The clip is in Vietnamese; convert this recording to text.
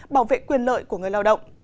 bảo vệ quyền lợi của người lao động